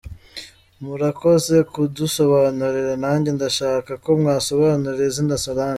Murakoze kudusobanurira ,nanjye ndashaka ko mwasobanurira izina Solange.